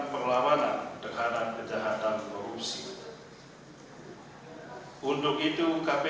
kepada pemerintah kepada pemerintah dan pemerintah yang berada di dalam kemampuan